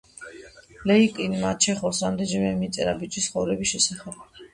ლეიკინმა ჩეხოვს რამდენიმეჯერ მიწერა ბიჭის ცხოვრების შესახებ.